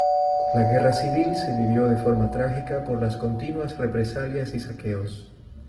La Guerra Civil se vivió de forma trágica por las continuas represalias y saqueos.